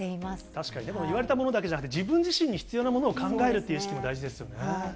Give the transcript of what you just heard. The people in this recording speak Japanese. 確かにね、言われたものだけじゃなくて、自分自身に必要なものを考えるという意識も大事ですよね。